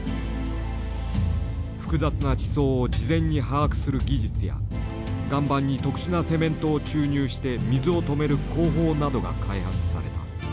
複雑な地層を事前に把握する技術や岩盤に特殊なセメントを注入して水を止める工法などが開発された。